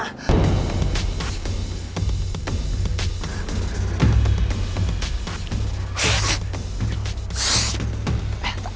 eh tak bunyi lagi